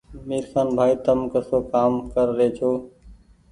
ميرخآن ڀآئي تم ڪسو ڪآم ڪر رهي ڇو